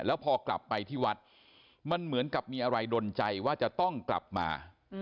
แล้วพอกลับไปที่วัดมันเหมือนกับมีอะไรดนใจว่าจะต้องกลับมา